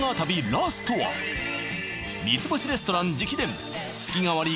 ラストは三つ星レストラン直伝月替わり